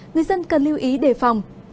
người dân cần lưu ý đề phòng